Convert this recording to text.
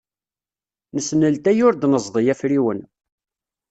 Nesneltay ur d-neẓḍi afriwen.